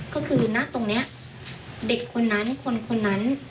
ก็คือณตรงนี้เด็กคนนั้นคนคนนั้น